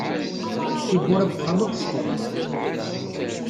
Tiwwura n wexxam akk ṣukkrent.